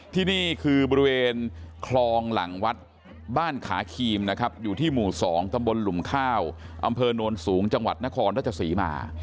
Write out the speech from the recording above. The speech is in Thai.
ที่นี่คือบริเวณคลองหลังวัดบ้านขาครีมนะครับอยู่ที่หมู่๒ตำบลหลุมข้าวอำเภอโนนสูงจังหวัดนครราชศรีมา